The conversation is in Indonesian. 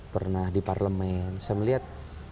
pernah di parlemen saya melihat